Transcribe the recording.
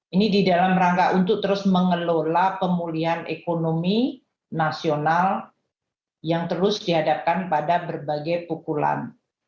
ini di dalam rangka untuk terus mengelola pemulihan ekonomi nasional yang terus dihadapkan pada berbagai pukulan